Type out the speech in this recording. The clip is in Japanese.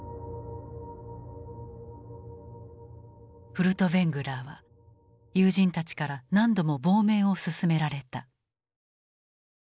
フルトヴェングラーは友人たちから何度も亡命を勧められた。